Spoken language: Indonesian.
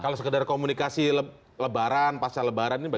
kalau sekedar komunikasi lebaran pasal lebaran ini bagaimana